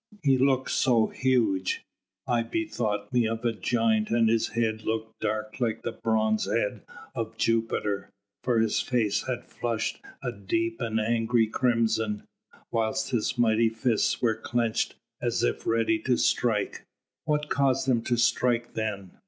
He looked so huge, I bethought me of a giant, and his head looked dark like the bronze head of Jupiter, for his face had flushed a deep and angry crimson, whilst his mighty fists were clenched as if ready to strike." "What caused him to strike, then?"